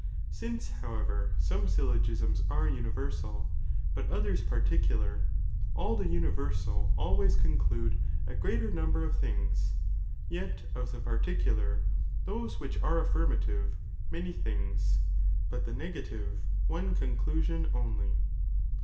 Since, i. sasiiodD however, some syllogisms are universal, but |""'.|'''f^" others particular, all the universal always con notthenega dude a greater number of things, yet of the par "*' p»"'|^uI« Licolar, those which are affirmative many things, but the negative one conclusion only.